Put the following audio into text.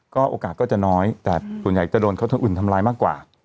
โอกาสก็จะน้อยแต่ส่วนใหญ่จะโดนเขาทางอื่นทำร้ายมากกว่า